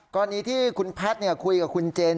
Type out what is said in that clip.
กรณีที่คุณแพทย์คุยกับคุณเจน